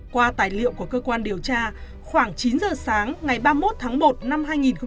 qua tài liệu của cơ quan điều tra khoảng chín giờ sáng ngày ba mươi một tháng một năm hai nghìn hai mươi